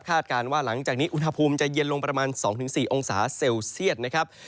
การว่าหลังจากนี้อุณหภูมิจะเย็นลงประมาณ๒๔องศาเซลเซียตนะครับ